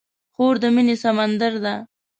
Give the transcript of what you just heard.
خور د مینې سمندر ده.